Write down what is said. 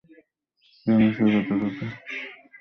কেন সে কথা যদি খুলে বলি তো লোকে হাসবে।